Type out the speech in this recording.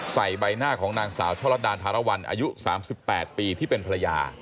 ใบหน้าของนางสาวช่อลัดดานธารวรรณอายุ๓๘ปีที่เป็นภรรยา